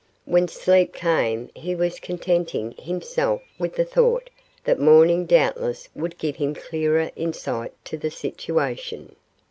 When sleep came, he was contenting himself with the thought that morning doubtless would give him clearer insight to the situation.